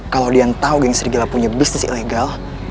kalau dian tahu geng serigala punya bisnis ilegal